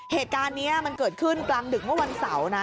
เหตุการณ์นี้มันเกิดขึ้นกลางดึกเมื่อวันเสาร์นะ